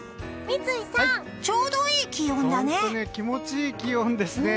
三井さん、ちょうどいい気温だね。